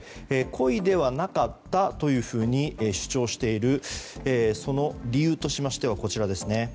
故意ではなかったというふうに主張している理由としましてはこちら。